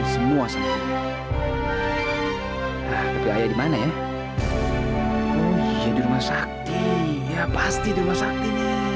semua sampai di mana ya di rumah sakti ya pasti di rumah sakti